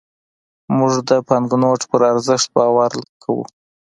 موږ د بانکنوټ پر ارزښت باور کوو.